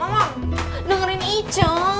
mamang dengerin ica